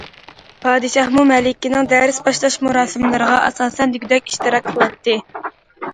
پادىشاھمۇ مەلىكىنىڭ دەرس باشلاش مۇراسىملىرىغا ئاساسەن دېگۈدەك ئىشتىراك قىلاتتى.